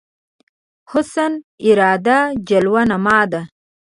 حسن اراده جلوه نما ده